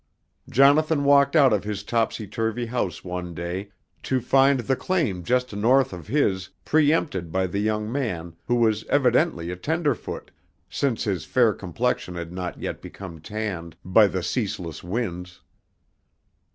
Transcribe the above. Jonathan walked out of his topsy turvy house one day to find the claim just north of his pre empted by the young man who was evidently a tenderfoot, since his fair complexion had not yet become tanned by the ceaseless winds.